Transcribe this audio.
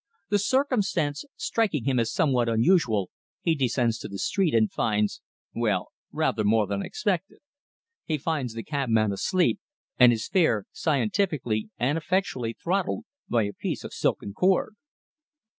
The circumstance striking him as somewhat unusual, he descends to the street and finds well, rather more than he expected. He finds the cabman asleep, and his fare scientifically and effectually throttled by a piece of silken cord."